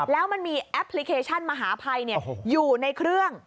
แล้วมันมีแอปพลิเคชันมหาภัยอยู่ในเครื่อง